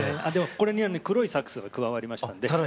あでもこれに黒いサックスが加わりましたんで。